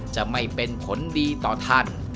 จะไม่เป็นผลดีต่อท่าน